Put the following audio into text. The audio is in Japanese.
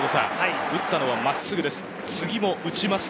打ったのは真っすぐです。